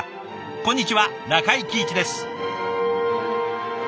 こんにちは中井貴一です。